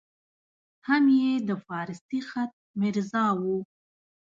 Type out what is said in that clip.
هم یې د فارسي خط میرزا وو.